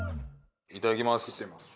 いただきます。